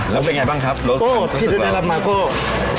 แล้วเป็นยังไงบ้างครับรู้สึกแล้ว